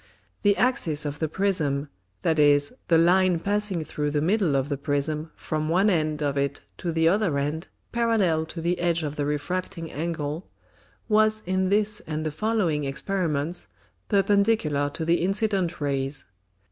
The Axis of the Prism (that is, the Line passing through the middle of the Prism from one end of it to the other end parallel to the edge of the Refracting Angle) was in this and the following Experiments perpendicular to the incident Rays.